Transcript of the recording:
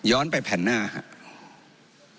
ไปแผ่นหน้าครับ